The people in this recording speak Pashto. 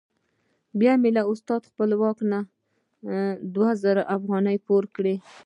بیا مې له استاد خپلواک نه دوه زره افغانۍ پور کړې.